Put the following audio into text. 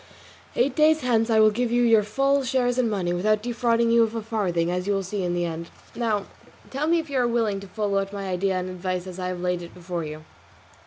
Eight days hence I will give you your full shares in money, without defrauding you of a farthing, as you will see in the end. Now tell me if you are willing to follow out my idea and advice as I have laid it before you."